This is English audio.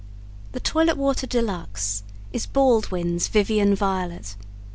The Toilet Water de luxe is Baldwin's Vivian Violet.